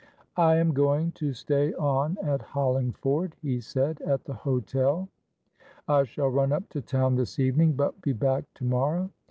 "I am going to stay on at Hollingford," he said, "at the hotel. I shall run up to town this evening, but be back to morrow.